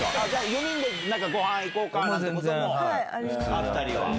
４人でご飯行こうか！なんてこともあったり。